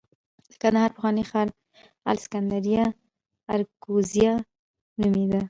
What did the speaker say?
د کندهار پخوانی ښار الکسندریه اراکوزیا نومېده